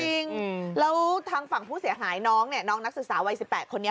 จริงแล้วทางฝั่งผู้เสียหายน้องเนี่ยน้องนักศึกษาวัย๑๘คนนี้